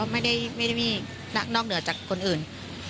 ไม่ได้มีนอกเหนือจากคนอื่น